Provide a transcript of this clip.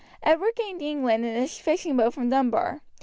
Edward gained England in a fishing boat from Dunbar.